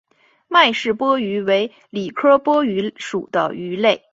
麦氏波鱼为鲤科波鱼属的鱼类。